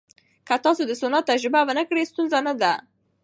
که تاسو د سونا تجربه ونه کړئ، ستونزه نه ده.